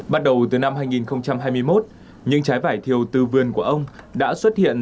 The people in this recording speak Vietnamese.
bắt đầu từ năm hai nghìn hai mươi một những trái vải thiều từ vườn của ông đã xuất hiện